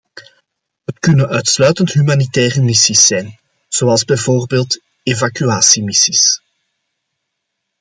Het kunnen uitsluitend humanitaire missies zijn, zoals bijvoorbeeld evacuatiemissies.